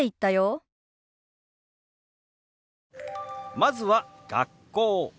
まずは「学校」。